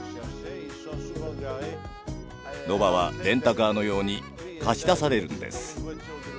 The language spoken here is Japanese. ロバはレンタカーのように貸し出されるんです。